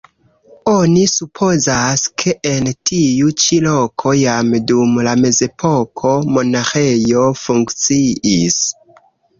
Oni supozas, ke en tiu ĉi loko jam dum la mezepoko monaĥejo funkciis.